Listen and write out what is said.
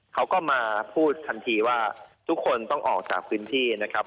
เขาก็มาพูดทันทีว่าทุกคนต้องออกจากพื้นที่นะครับ